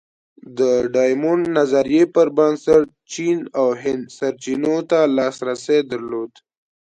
د ډایمونډ نظریې پر بنسټ چین او هند سرچینو ته لاسرسی درلود.